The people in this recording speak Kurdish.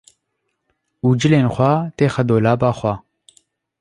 û cilên xwe têxe dolaba xwe.